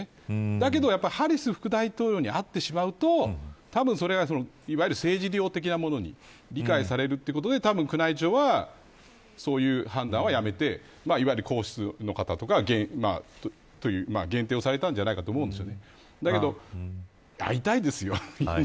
ただ、ハリス副大統領に会ってしまうといわゆる政治利用的なものに理解されるということでたぶん宮内庁はそういう判断はやめていわゆる皇室の方や限定をされたんじゃないかと思います。